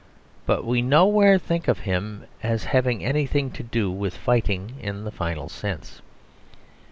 But we nowhere think of him as having anything to do with fighting in the final sense.